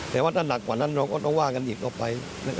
แต่ว่าถ้าหนักกว่านั้นเราก็ต้องว่ากันอีกต่อไป